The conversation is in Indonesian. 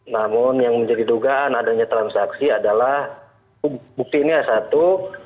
namun yang menjadi dugaan adanya transaksi adalah buktinya satu